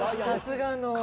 さすがの。